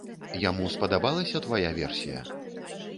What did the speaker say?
Яму спадабалася твая версія?